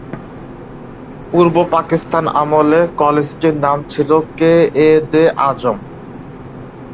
পূর্ব পাকিস্তান আমলে কলেজটির নাম ছিল "কে-এ-দে আজম"।